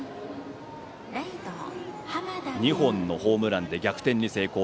２本のホームランで逆転に成功